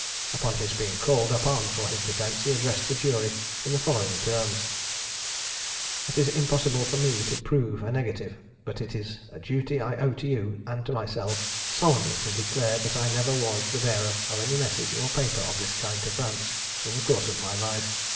Upon his being called upon for his defence, he addressed the jury in the following terms: "It is impossible for me to prove a negative; but it is a duty I owe to you, and to myself, solemnly to declare that I never was the bearer of any message or paper of this kind to France in the course of my life.